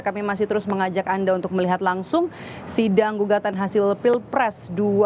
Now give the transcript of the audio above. kami masih terus mengajak anda untuk melihat langsung sidang gugatan hasil pilpres dua ribu sembilan belas